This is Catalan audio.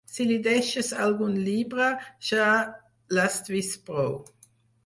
Si li deixes algun llibre, ja l'has vist prou!